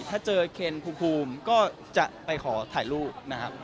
ถ้าเจอเคนภูมิก็จะไปขอถ่ายรูปนะครับ